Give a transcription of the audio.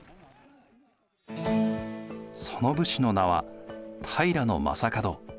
その武士の名は平将門。